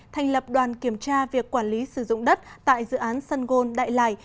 thành lập đoàn kiểm tra việc quản lý sử dụng đất tại dự án sân gôn đại lải